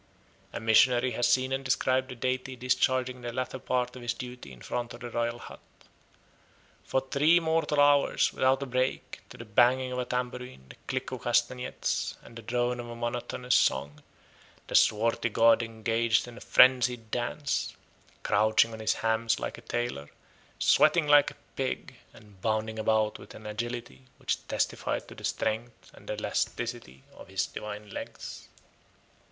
A missionary has seen and described the deity discharging the latter part of his duty in front of the royal hut. For three mortal hours, without a break, to the banging of a tambourine, the click of castanettes, and the drone of a monotonous song, the swarthy god engaged in a frenzied dance, crouching on his hams like a tailor, sweating like a pig, and bounding about with an agility which testified to the strength and elasticity of his divine legs.